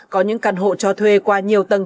có những căn hộ cho thuê qua nhiều tầng